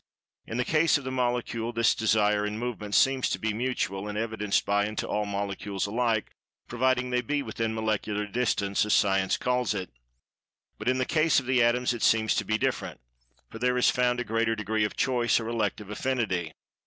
In the case of the Molecule, this Desire and Movement seems to be mutual, and evidenced by and to all Molecules alike, providing they be within Molecular Distance, as Science calls it. But in the case of the Atoms, it seems to be different—for there is found a greater degree of "choice," or "elective affinity."